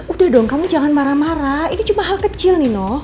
udah dong kamu jangan marah marah ini cuma hal kecil nih nok